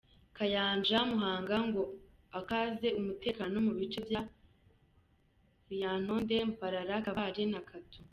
Kayanja Muhanga ngo akaze umutekano mu bice bya Lyantonde, Mbarara, Kabale na Katuna.